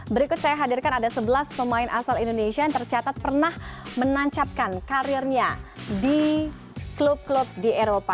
berikut saya hadirkan ada sebelas pemain asal indonesia yang tercatat pernah menancapkan karirnya di klub klub di eropa